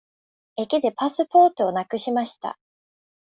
駅でパスポートをなくしました。